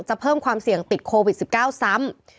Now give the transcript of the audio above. เพิ่มความเสี่ยงติดโควิด๑๙ซ้ำ